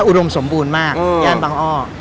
ก็อุดรมสมบูรณ์มากเป็นแบบบางอ้อก